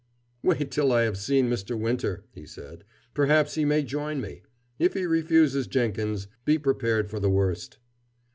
"Wait till I have seen Mr. Winter," he said. "Perhaps he may join me. If he refuses, Jenkins, be prepared for the worst."